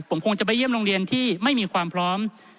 ผมคงจะไปเยี่ยมโรงเรียนที่ไม่มีความพร้อม